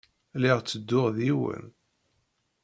Lliɣ ttedduɣ d yiwen.